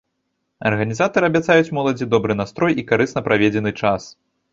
Арганізатары абяцаюць моладзі добры настрой і карысна праведзены час.